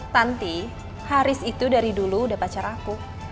tanti haris itu dari dulu udah pacar aku